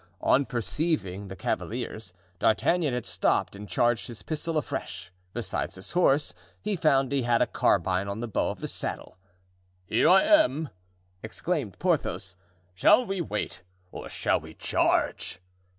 On perceiving the cavaliers, D'Artagnan had stopped and charged his pistol afresh; besides, his horse, he found, had a carbine on the bow of the saddle. "Here I am!" exclaimed Porthos. "Shall we wait, or shall we charge?"